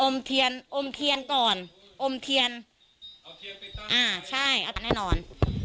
เทียนอมเทียนก่อนอมเทียนอ่าใช่เอากันแน่นอน